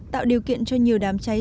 tạo điều kiện cho nhiều đám cháy